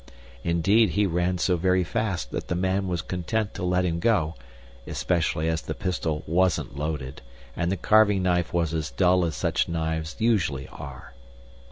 Indeed, he ran so very fast that the man was content to let him go, especially as the pistol wasn't loaded and the carving knife was as dull as such knives usually are.